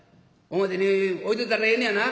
表に置いといたらええねやな？